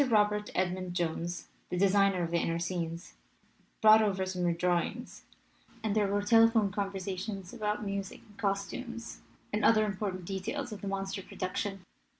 Robert Edmund Jones, the de signer of the inner scenes, brought over some new drawings, and there were telephone conversations about music and costumes and other important details of the monster production.